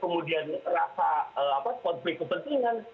kemudian rasa konflik kepentingan